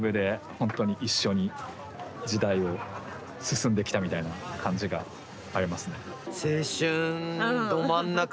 ほんとに一緒に時代を進んできたみたいな感じがありますね。